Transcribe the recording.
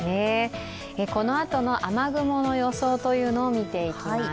このあとの雨雲の予想というのを見ていきます。